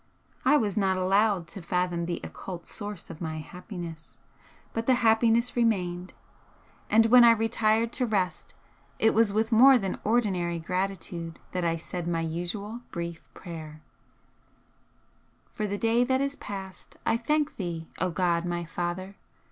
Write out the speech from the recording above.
I was not allowed to fathom the occult source of my happiness, but the happiness remained, and when I retired to rest it was with more than ordinary gratitude that I said my usual brief prayer: For the day that is past, I thank Thee, O God my Father!